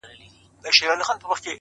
مه نیسه چېغو ته کاڼه غوږونه-